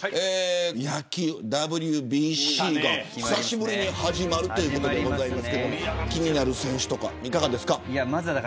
野球、ＷＢＣが久しぶりに始まるということですけど気になる選手とかいかがですか。